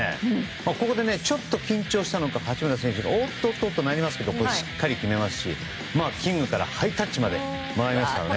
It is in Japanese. ここでちょっと緊張したのか八村選手がおっととなりますけどしっかり決めますしキングからハイタッチまでもらいますからね。